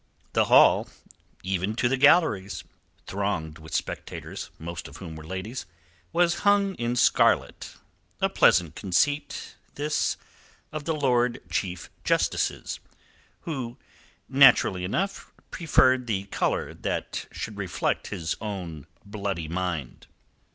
The hall, even to the galleries thronged with spectators, most of whom were ladies was hung in scarlet; a pleasant conceit, this, of the Lord Chief Justice's, who naturally enough preferred the colour that should reflect his own bloody mind.